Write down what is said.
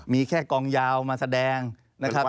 มีแค่กองยาวมาแสดงนะครับ